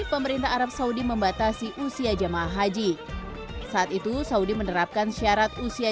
pemerintah arab saudi membatasi usia jamaah haji saat itu saudi menerapkan syarat usia